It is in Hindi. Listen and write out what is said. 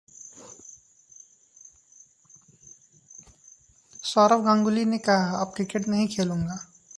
सौरव गांगुली ने कहा, अब क्रिकेट नहीं खेलूंगा